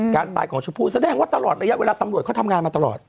การตายของชมพู่แสดงว่าตลอดระยะเวลาตำรวจเขาทำงานมาตลอด